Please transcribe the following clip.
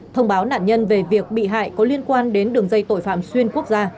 thông báo nạn nhân về việc bị hại có liên quan đến đường dây tội phạm xuyên quốc gia